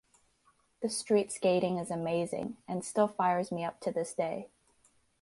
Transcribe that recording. The street skating is amazing and still fires me up to this day.